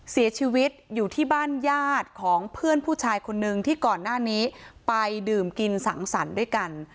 เสียชีวิตอยู่ที่บ้านญาติของเพื่อนผู้ชายคนนึงที่ก่อนหน้านี้ไปดื่มกินสังสรรค์ด้วยกัน